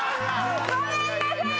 ごめんなさい！